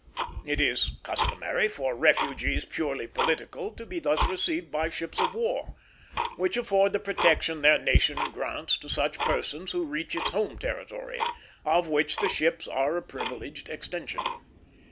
It is customary for refugees purely political to be thus received by ships of war, which afford the protection their nation grants to such persons who reach its home territory; of which the ships are a privileged extension.